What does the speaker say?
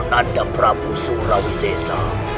nanda prabu surawi caesar